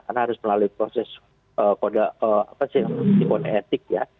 karena harus melalui proses kode etik ya